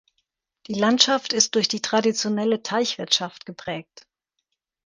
Die Landschaft ist durch die traditionelle Teichwirtschaft geprägt.